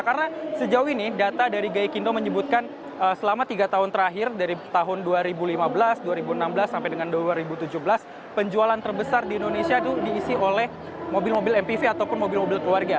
karena sejauh ini data dari gai kindo menyebutkan selama tiga tahun terakhir dari tahun dua ribu lima belas dua ribu enam belas sampai dengan dua ribu tujuh belas penjualan terbesar di indonesia itu diisi oleh mobil mobil mpv ataupun mobil mobil keluarga